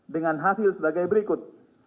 dengan hasil sebagai berikut